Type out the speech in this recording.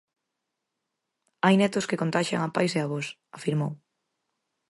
"Hai netos que contaxian a pais e avós", afirmou.